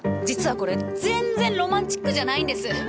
実はこれ全然ロマンチックじゃないんです。